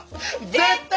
絶対！